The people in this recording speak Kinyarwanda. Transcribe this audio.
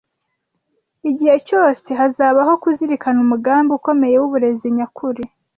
Igihe cyose hazabaho kuzirikana umugambi ukomeye w’uburezi nyakuri